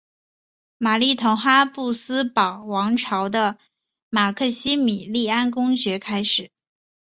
玛丽同哈布斯堡王朝的马克西米利安公爵开始。